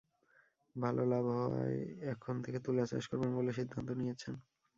ভালো লাভ হওয়ায় এখন থেকে তুলা চাষ করবেন বলে সিদ্ধান্ত নিয়েছেন।